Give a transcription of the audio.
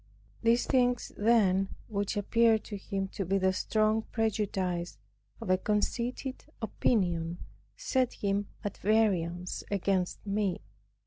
These things then, which appeared to him to be the strong prejudice of a conceited opinion, set him at variance against me.